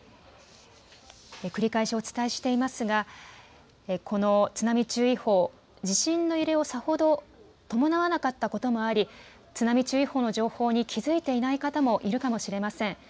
繰り返しお伝えしていますがこの津波注意報、地震の揺れをさほど伴わなかったこともあり津波注意報の情報に気付いていない方もいるかもしれません。